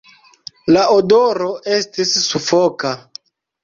La odoro estis sufoka.